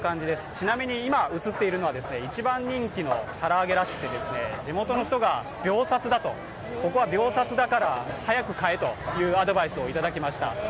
ちなみに今、映っているのは一番人気の唐揚げらしくて地元の人が秒殺だと、ここは秒殺だから早く買えというアドバイスをいただきました。